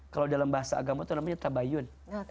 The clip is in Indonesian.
kalau dalam bahasa agama itu namanya tabayun